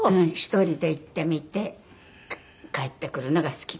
１人で行って見て帰ってくるのが好きなの。